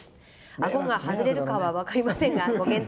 あごが外れるかは分かりませんがご検討